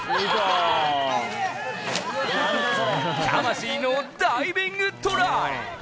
魂のダイビングトライ！